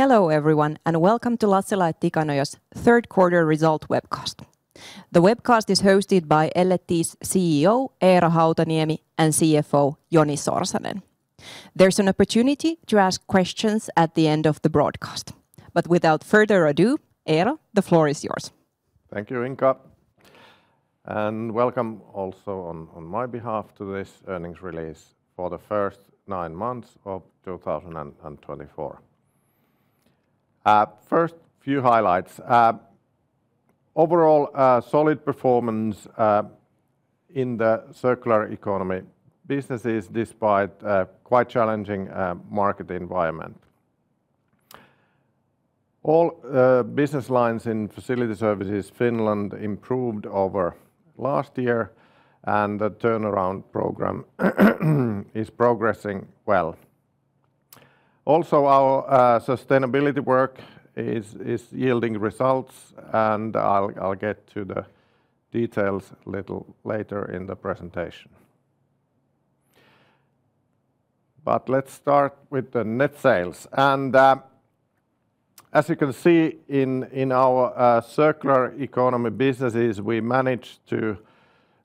Hello, everyone, and welcome to Lassila & Tikanoja's Third Quarter Result Webcast. The webcast is hosted by L&T's CEO, Eero Hautaniemi, and CFO, Joni Sorsanen. There's an opportunity to ask questions at the end of the broadcast. But without further ado, Eero, the floor is yours. Thank you, Inka, and welcome also on my behalf to this earnings release for the first nine months of two thousand and twenty-four. First few highlights. Overall, a solid performance in the circular economy. Business is despite a quite challenging market environment. All business lines in Facility Services Finland improved over last year, and the turnaround program is progressing well. Also, our sustainability work is yielding results, and I'll get to the details a little later in the presentation. But let's start with the net sales. And as you can see in our circular economy businesses, we managed to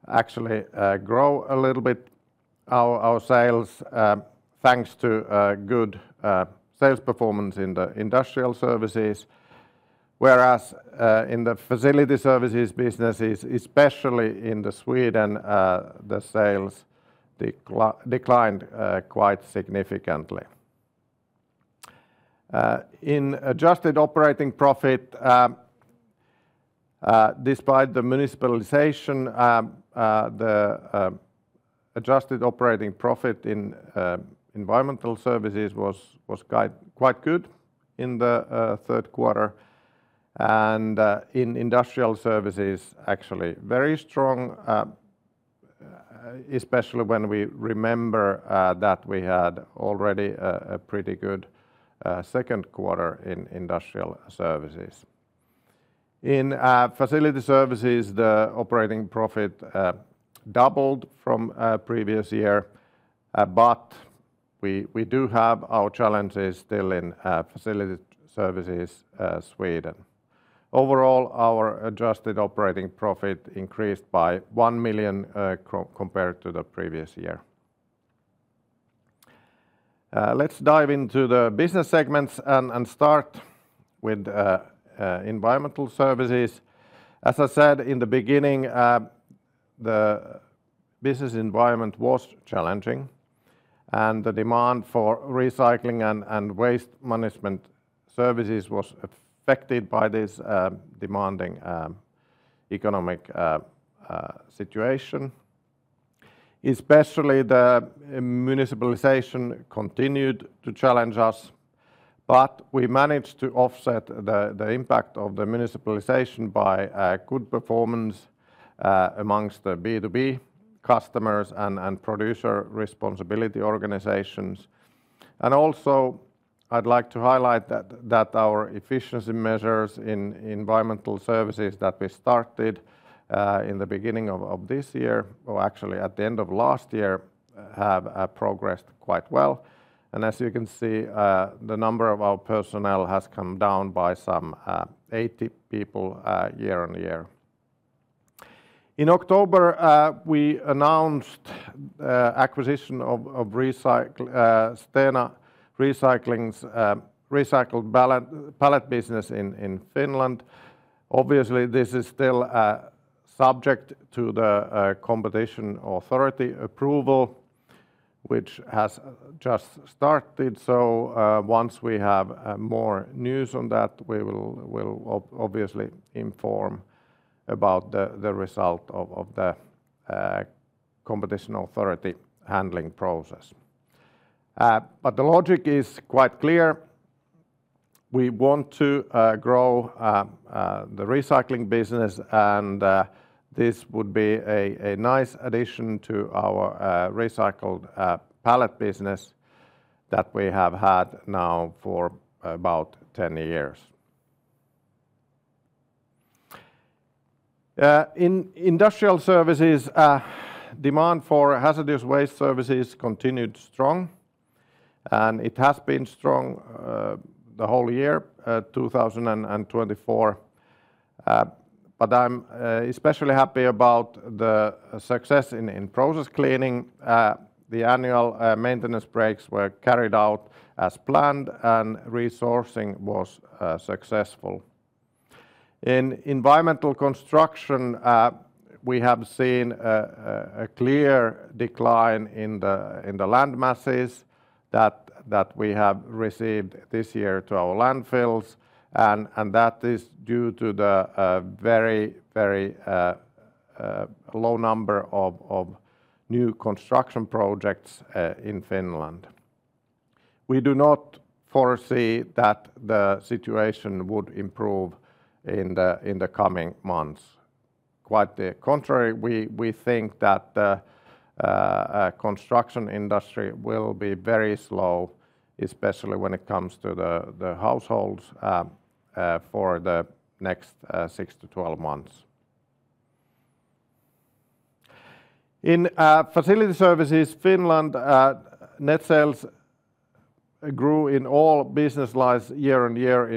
actually grow a little bit our sales thanks to good sales performance in the industrial services. Whereas in the facility services businesses, especially in Sweden, the sales declined quite significantly. In adjusted operating profit, despite the municipalization, the adjusted operating profit in environmental services was quite good in the third quarter, and in industrial services, actually very strong, especially when we remember that we had already a pretty good second quarter in industrial services. In facility services, the operating profit doubled from previous year, but we do have our challenges still in facility services Sweden. Overall, our adjusted operating profit increased by 1 million compared to the previous year. Let's dive into the business segments and start with environmental services. As I said in the beginning, the business environment was challenging, and the demand for recycling and waste management services was affected by this demanding economic situation. Especially the municipalization continued to challenge us, but we managed to offset the impact of the municipalization by a good performance amongst the B2B customers and producer responsibility organizations. Also, I'd like to highlight that our efficiency measures in environmental services that we started in the beginning of this year, or actually at the end of last year, have progressed quite well. As you can see, the number of our personnel has come down by some eighty people year-on-year. In October, we announced acquisition of Stena Recycling's recycled pallet business in Finland. Obviously, this is still subject to the Competition Authority approval, which has just started. So, once we have more news on that, we will, we'll obviously inform about the result of the Competition Authority handling process. But the logic is quite clear. We want to grow the recycling business, and this would be a nice addition to our recycled pallet business that we have had now for about 10 years. In industrial services, demand for hazardous waste services continued strong, and it has been strong the whole year, 2024. But I'm especially happy about the success in process cleaning. The annual maintenance breaks were carried out as planned, and resourcing was successful. In environmental construction, we have seen a clear decline in the land masses that we have received this year to our landfills, and that is due to the very low number of new construction projects in Finland. We do not foresee that the situation would improve in the coming months. Quite the contrary, we think that the construction industry will be very slow, especially when it comes to the households for the next six to twelve months. In Facility Services Finland, net sales grew in all business lines year-on-year.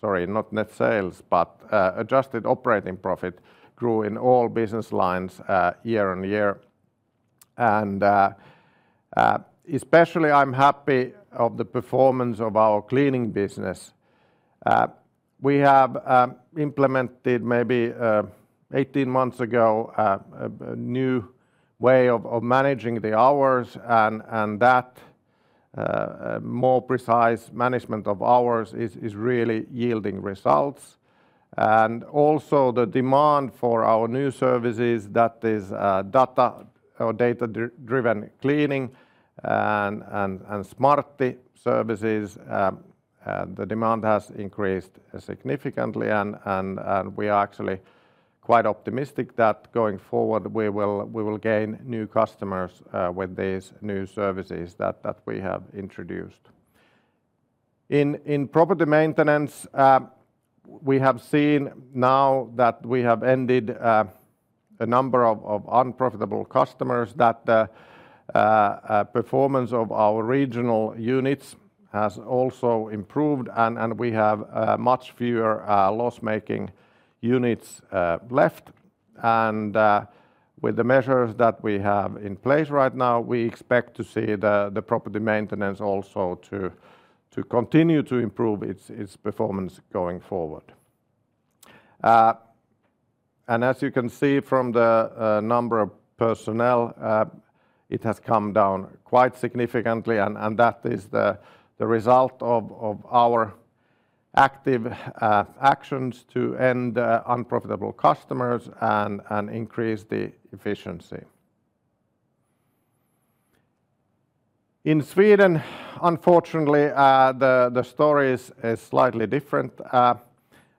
Sorry, not net sales, but adjusted operating profit grew in all business lines year-on-year, and especially I'm happy of the performance of our cleaning business. We have implemented maybe 18 months ago a new way of managing the hours, and that more precise management of hours is really yielding results, and also the demand for our new services, that is, data-driven cleaning and Smartti services, the demand has increased significantly, and we are actually quite optimistic that going forward, we will gain new customers with these new services that we have introduced. In property maintenance, we have seen now that we have ended a number of unprofitable customers, that performance of our regional units has also improved, and we have much fewer loss-making units left. With the measures that we have in place right now, we expect to see the property maintenance also to continue to improve its performance going forward. And as you can see from the number of personnel, it has come down quite significantly, and that is the result of our active actions to end unprofitable customers and increase the efficiency. In Sweden, unfortunately, the story is slightly different.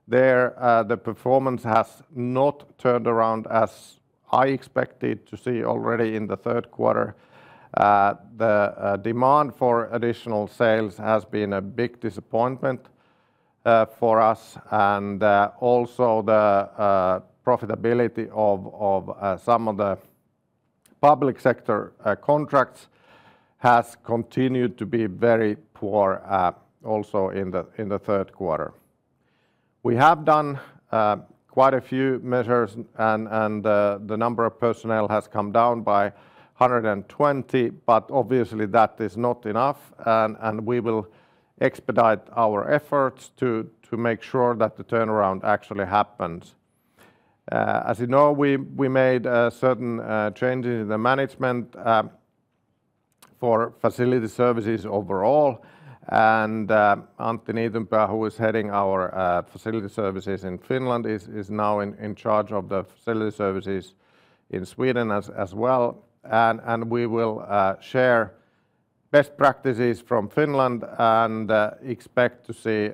There, the performance has not turned around as I expected to see already in the third quarter. The demand for additional sales has been a big disappointment for us, and also the profitability of some of the public sector contracts has continued to be very poor, also in the third quarter. We have done quite a few measures, and the number of personnel has come down by 120, but obviously that is not enough, and we will expedite our efforts to make sure that the turnaround actually happens. As you know, we made certain changes in the management for Facility Services overall, and Antti Tervo, who is heading our Facility Services in Finland, is now in charge of the Facility Services in Sweden as well, and we will share best practices from Finland and expect to see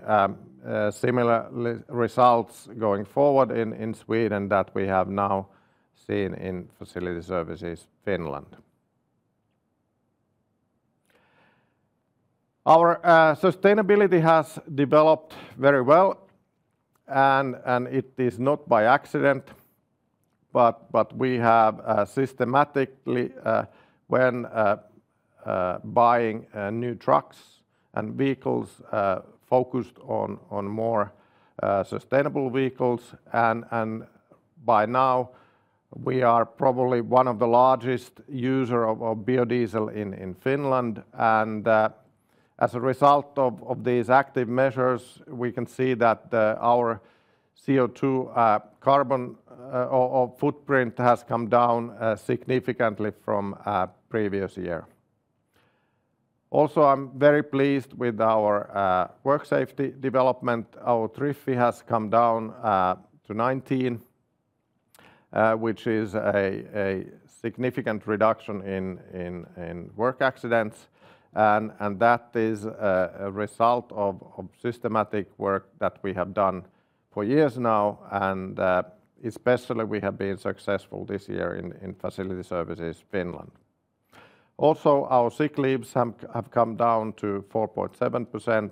similar results going forward in Sweden that we have now seen in Facility Services Finland. Our sustainability has developed very well, and it is not by accident, but we have systematically, when buying new trucks and vehicles, focused on more sustainable vehicles, and by now, we are probably one of the largest user of biodiesel in Finland, and as a result of these active measures, we can see that our CO2 or carbon footprint has come down significantly from previous year. Also, I'm very pleased with our work safety development. Our TRIF has come down to 19, which is a significant reduction in work accidents, and that is a result of systematic work that we have done for years now, and especially we have been successful this year in Facility Services Finland. Also, our sick leaves have come down to 4.7%,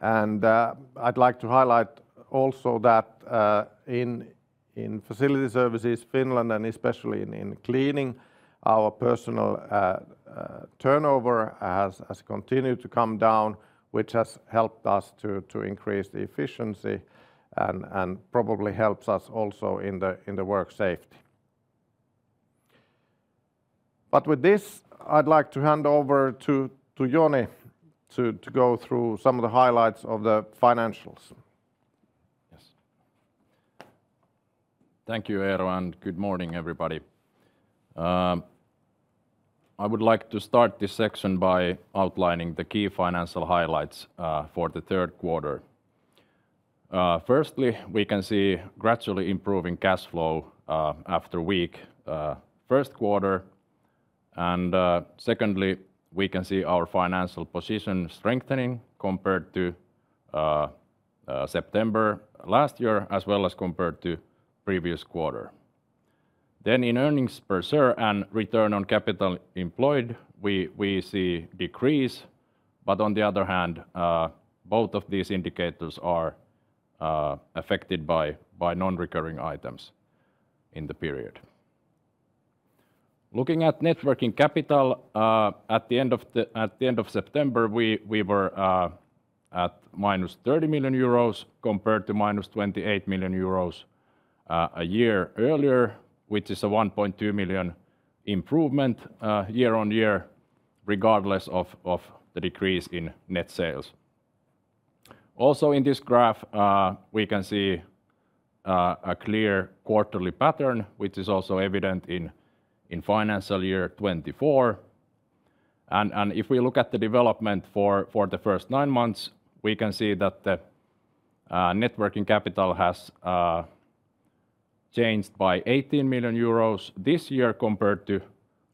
and I'd like to highlight also that in Facility Services Finland, and especially in cleaning, our personnel turnover has continued to come down, which has helped us to increase the efficiency and probably helps us also in the work safety. But with this, I'd like to hand over to Joni to go through some of the highlights of the financials. Yes. Thank you, Eero, and good morning, everybody. I would like to start this section by outlining the key financial highlights for the third quarter. Firstly, we can see gradually improving cash flow after weak first quarter, and secondly, we can see our financial position strengthening compared to September last year, as well as compared to previous quarter. Then in earnings per share and return on capital employed, we see decrease, but on the other hand, both of these indicators are affected by non-recurring items in the period. Looking at net working capital, at the end of September, we were at minus 30 million euros, compared to minus 28 million euros a year earlier, which is a 1.2 million improvement year-on-year, regardless of the decrease in net sales. Also, in this graph, we can see a clear quarterly pattern, which is also evident in financial year 2024. If we look at the development for the first nine months, we can see that the net working capital has changed by 18 million euros this year, compared to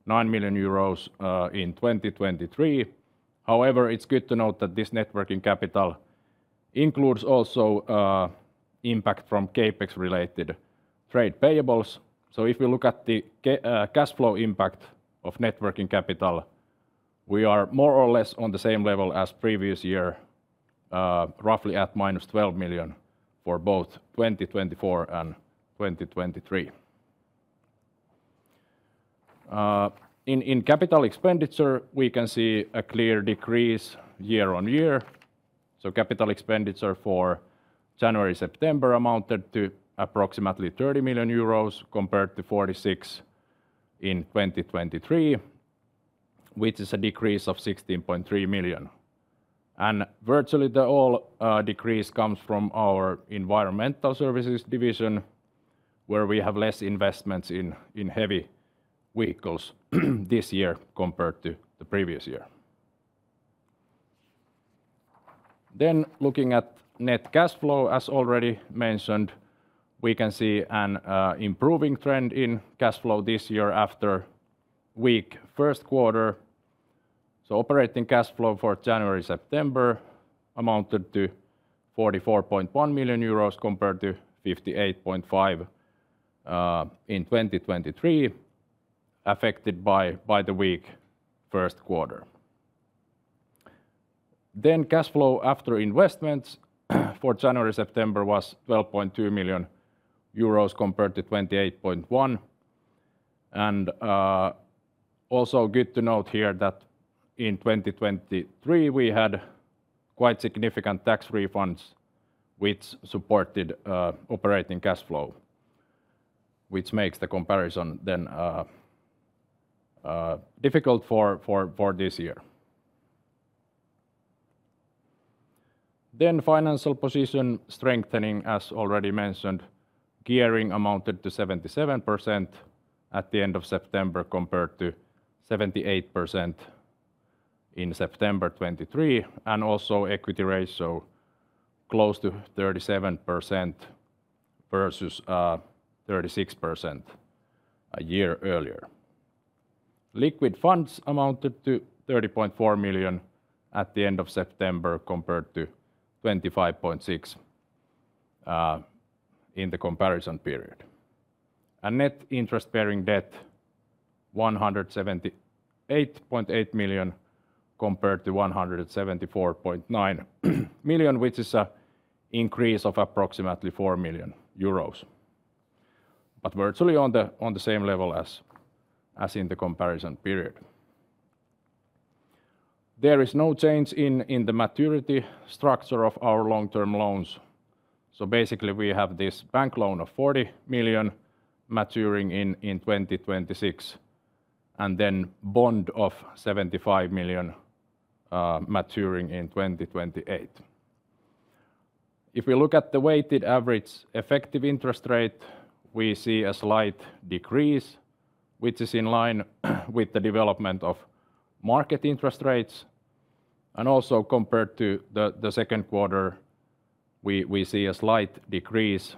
nine million EUR in 2023. However, it's good to note that this net working capital includes also impact from CapEx-related trade payables. If we look at the cash flow impact of net working capital, we are more or less on the same level as previous year, roughly at -12 million EUR for both 2024 and 2023. In capital expenditure, we can see a clear decrease year-on-year. Capital expenditure for January-September amounted to approximately 30 million euros, compared to 46 in 2023, which is a decrease of 16.3 million EUR. Virtually all decrease comes from our environmental services division, where we have less investments in heavy vehicles this year compared to the previous year. Looking at net cash flow, as already mentioned, we can see an improving trend in cash flow this year after weak first quarter. Operating cash flow for January-September amounted to 44.1 million euros compared to 58.5 million in 2023, affected by the weak first quarter. Cash flow after investments for January-September was 12.2 million euros compared to 28.1 million. Also good to note here that in 2023, we had quite significant tax refunds, which supported operating cash flow, which makes the comparison then difficult for this year. Financial position strengthening, as already mentioned, gearing amounted to 77% at the end of September, compared to 78% in September 2023, and also equity ratio close to 37% versus 36% a year earlier. Liquid funds amounted to 30.4 million at the end of September, compared to 25.6 million in the comparison period. Net interest bearing debt 178.8 million EUR, compared to 174.9 million EUR, which is an increase of approximately 4 million euros, but virtually on the same level as in the comparison period. There is no change in the maturity structure of our long-term loans. Basically, we have this bank loan of 40 million EUR maturing in 2026, and then bond of 75 million EUR maturing in 2028. If we look at the weighted average effective interest rate, we see a slight decrease, which is in line with the development of market interest rates. And also compared to the second quarter, we see a slight decrease.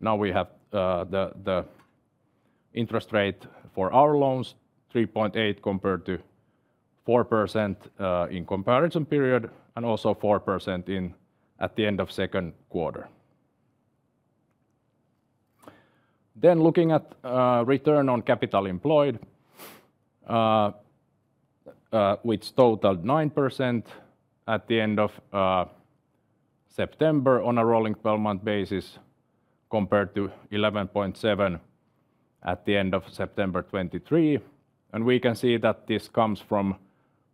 Now, we have the interest rate for our loans, 3.8%, compared to 4% in comparison period, and also 4% at the end of second quarter. Then looking at return on capital employed, which totaled 9% at the end of September on a rolling twelve-month basis, compared to 11.7% at the end of September 2023. And we can see that this comes from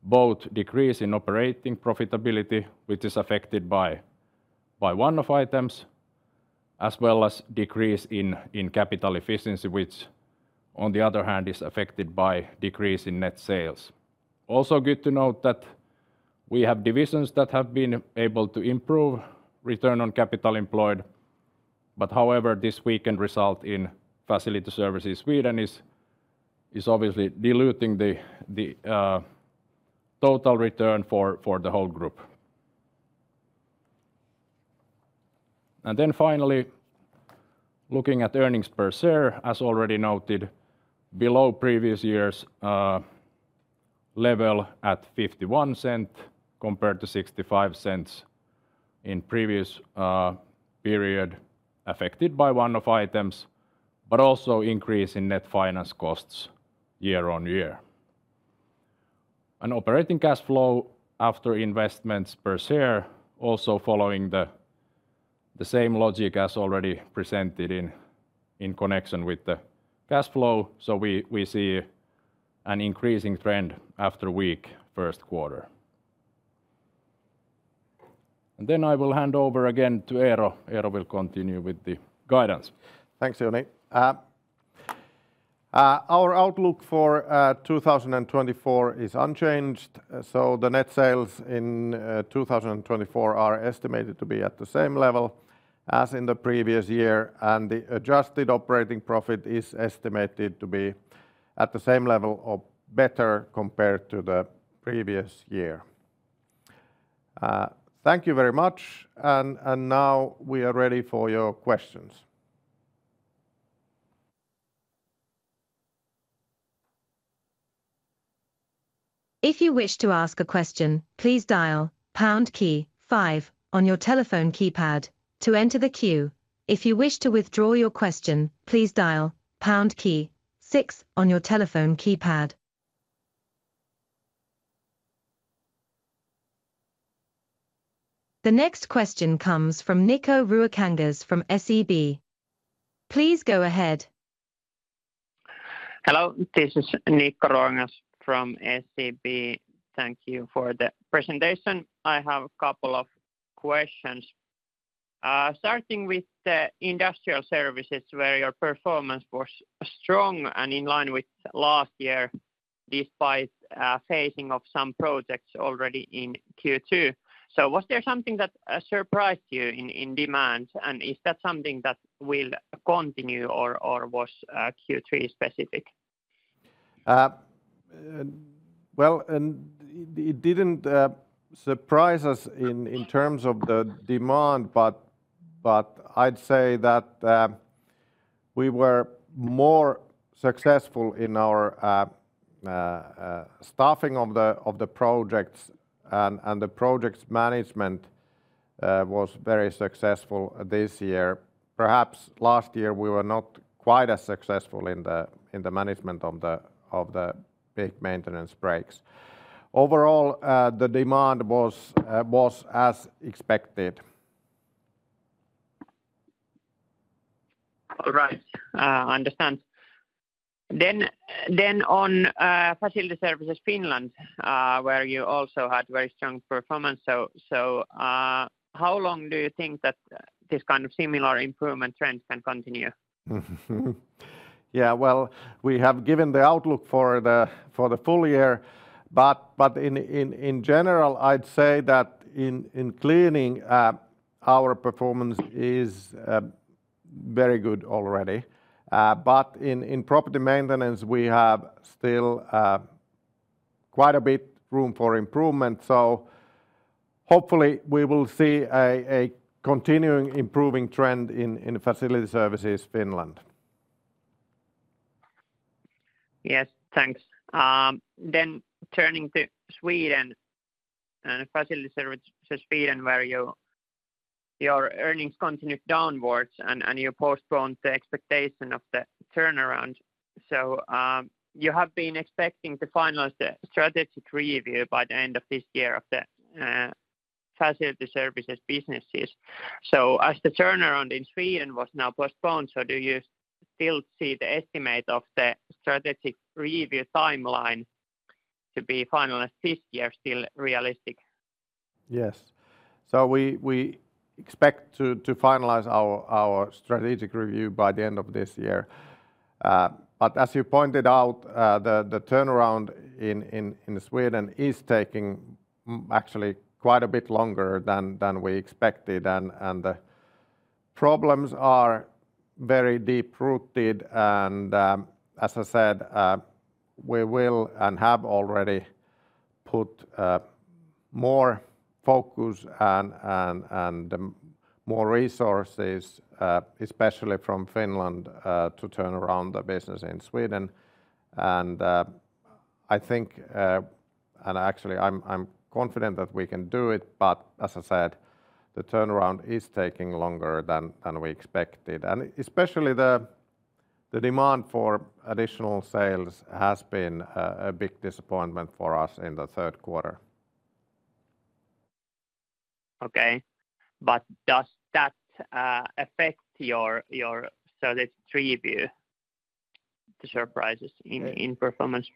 both decrease in operating profitability, which is affected by one-off items, as well as decrease in capital efficiency, which on the other hand, is affected by decrease in net sales. Also, good to note that we have divisions that have been able to improve return on capital employed, but however, this weakened result in Facility Services Sweden is obviously diluting the total return for the whole group. And then finally, looking at earnings per share, as already noted, below previous years level at 0.51, compared to 0.65 in previous period, affected by one-off items, but also increase in net finance costs year-on-year. An operating cash flow after investments per share also following the same logic as already presented in connection with the cash flow. So we see an increasing trend after weak first quarter. And then I will hand over again to Eero. Eero will continue with the guidance. Thanks, Joni. Our outlook for 2024 is unchanged. So the net sales in 2024 are estimated to be at the same level as in the previous year, and the adjusted operating profit is estimated to be at the same level or better compared to the previous year. Thank you very much. Now we are ready for your questions. If you wish to ask a question, please dial pound key five on your telephone keypad to enter the queue. If you wish to withdraw your question, please dial pound key six on your telephone keypad. The next question comes from Niko Ruokangas from SEB. Please go ahead. Hello, this is Niko Ruokangas from SEB. Thank you for the presentation. I have a couple of questions. Starting with the industrial services, where your performance was strong and in line with last year, despite a phasing of some projects already in Q2. So was there something that surprised you in demand, and is that something that will continue or was Q3 specific? It didn't surprise us in terms of the demand, but I'd say that we were more successful in our staffing of the projects and the projects management was very successful this year. Perhaps last year we were not quite as successful in the management of the big maintenance breaks. Overall, the demand was as expected. All right, understand. Then on Facility Services Finland, where you also had very strong performance. So, how long do you think that this kind of similar improvement trend can continue? Yeah, well, we have given the outlook for the full year. But in general, I'd say that in cleaning our performance is very good already. But in property maintenance, we have still quite a bit room for improvement. So hopefully we will see a continuing improving trend in Facility Services Finland. Yes. Thanks, then turning to Sweden and Facility Services Sweden, where your earnings continued downwards and you postponed the expectation of the turnaround, so you have been expecting to finalize the strategic review by the end of this year of the Facility Services businesses, so as the turnaround in Sweden was now postponed, do you still see the estimate of the strategic review timeline to be finalized this year still realistic? Yes, so we expect to finalize our strategic review by the end of this year, but as you pointed out, the turnaround in Sweden is taking actually quite a bit longer than we expected, and the problems are very deep-rooted, and as I said, we will and have already put more focus and more resources, especially from Finland, to turn around the business in Sweden. I think actually I'm confident that we can do it, but as I said, the turnaround is taking longer than we expected, and especially the demand for additional sales has been a big disappointment for us in the third quarter. Okay, but does that affect your strategic review, the surprises in performance?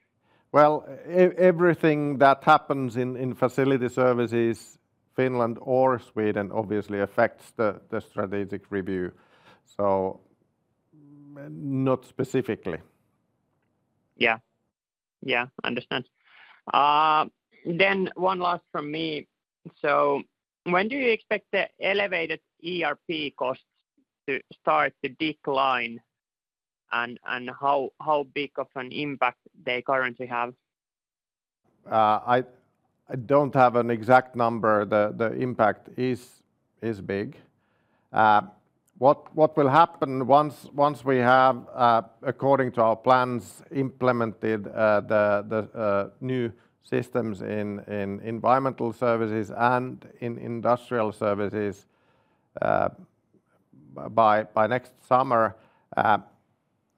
Everything that happens in Facility Services, Finland or Sweden, obviously affects the strategic review, so not specifically. Yeah. Yeah, understand. Then one last from me. So when do you expect the elevated ERP costs to start to decline? And how big of an impact they currently have? I don't have an exact number. The impact is big. What will happen once we have, according to our plans, implemented the new systems in environmental services and in industrial services by next summer,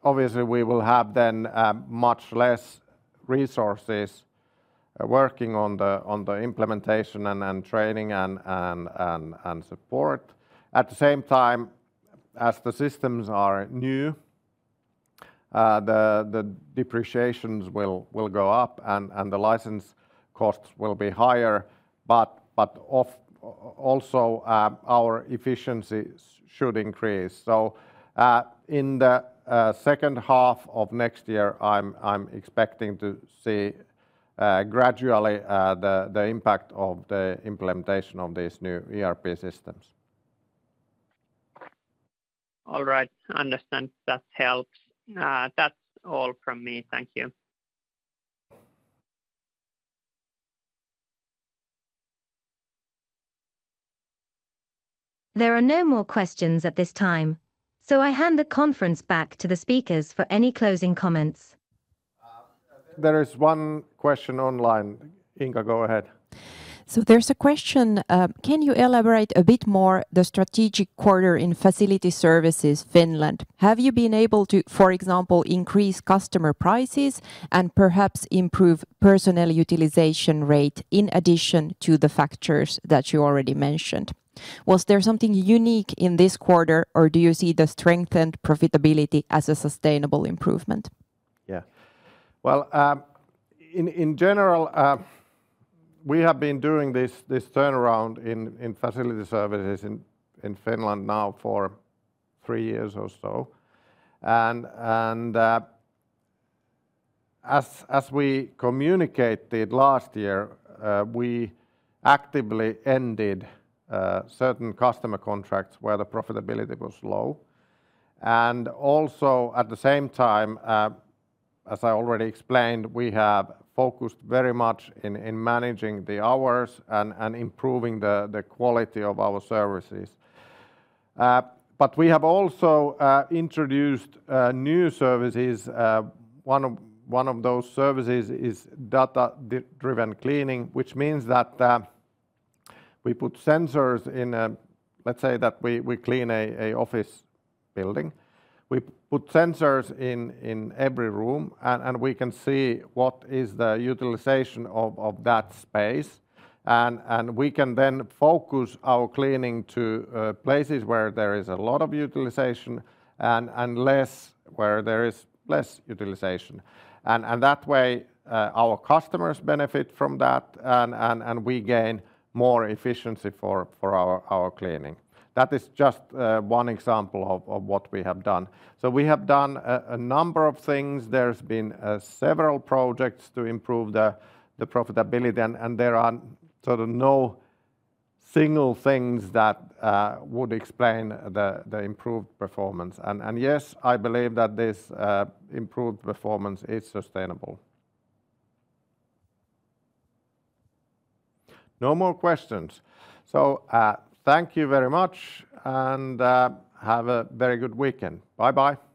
obviously we will have then much less resources working on the implementation and training and support. At the same time, as the systems are new, the depreciations will go up, and the license costs will be higher, but also our efficiency should increase, so in the second half of next year, I'm expecting to see gradually the impact of the implementation of these new ERP systems. All right, understand. That helps. That's all from me. Thank you. There are no more questions at this time, so I hand the conference back to the speakers for any closing comments. There is one question online. Inka, go ahead. There's a question: Can you elaborate a bit more the strategic quarter in Facility Services Finland? Have you been able to, for example, increase customer prices and perhaps improve personnel utilization rate in addition to the factors that you already mentioned? Was there something unique in this quarter, or do you see the strengthened profitability as a sustainable improvement? Yeah. In general, we have been doing this turnaround in facility services in Finland now for three years or so. As we communicated last year, we actively ended certain customer contracts where the profitability was low. Also, at the same time, as I already explained, we have focused very much in managing the hours and improving the quality of our services, but we have also introduced new services. One of those services is data-driven cleaning, which means that we put sensors in a... Let's say that we clean a office building. We put sensors in every room, and we can see what is the utilization of that space, and we can then focus our cleaning to places where there is a lot of utilization and less where there is less utilization, and that way our customers benefit from that, and we gain more efficiency for our cleaning. That is just one example of what we have done, so we have done a number of things. There's been several projects to improve the profitability, then, and there are sort of no single things that would explain the improved performance, and yes, I believe that this improved performance is sustainable. No more questions, so thank you very much, and have a very good weekend. Bye-bye!